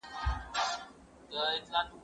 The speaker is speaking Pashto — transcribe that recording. زه هره ورځ د لوبو لپاره وخت نيسم!